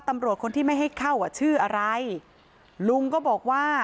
ตำรวจคนที่ไม่ให้เข้าอ่ะชื่ออะไรลุงก็บอกว่า